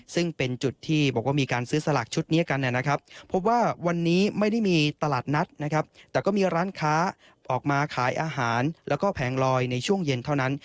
ซึ่งเป็นจุดที่บอกว่ามีการซื้อสลากชุดนี้กันนะครับพบว่าวันนี้ไม่ได้มีตลาดนัดนะครับแต่ก็มีร้านค้าออกมาขายอาหารแล้วก็แผงลอยในช่วงเย็นเท่านั้น